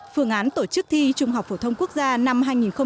phương án tổ chức thi trung học phổ thông quốc gia năm hai nghìn một mươi chín